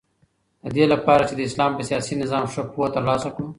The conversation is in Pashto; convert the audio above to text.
ددې لپاره چی د اسلام په سیاسی نظام ښه پوهه تر لاسه کړو